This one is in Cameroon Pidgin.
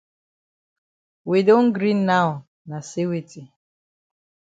We don gree now na say weti?